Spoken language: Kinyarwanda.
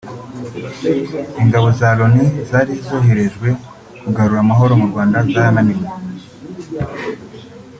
Ingabo za Loni zari zoherejwe kugarura amahoro mu Rwanda zarananiwe